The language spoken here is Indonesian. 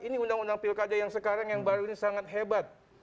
ini undang undang pilkada yang sekarang yang baru ini sangat hebat